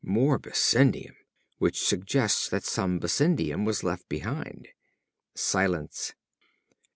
More bessendium! Which suggests that some bessendium was left behind." Silence.